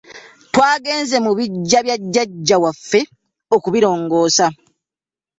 Twagenze ku biggya bya jajja waffe okubirongosa.